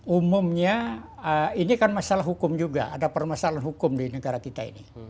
umumnya ini kan masalah hukum juga ada permasalahan hukum di negara kita ini